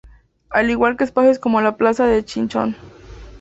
Al igual que espacios como la plaza de Chinchón.